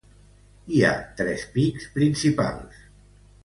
Hi ha tres pics principals.